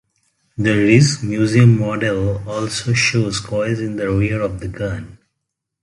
The Rijksmuseum model also shows coils in the rear of the gun.